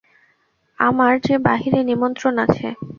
আমার যে বাহিরে নিমন্ত্রণ আছে।